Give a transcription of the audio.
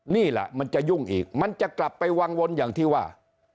นี่แหละมันจะยุ่งอีกมันจะกลับไปวังวนอย่างที่ว่า